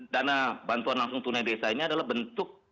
dana bantuan langsung tunai desanya adalah bentuk